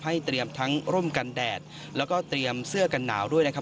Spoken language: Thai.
เตรียมทั้งร่มกันแดดแล้วก็เตรียมเสื้อกันหนาวด้วยนะครับ